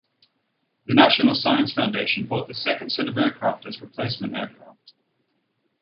The National Science Foundation bought the second set of aircraft as replacement aircraft.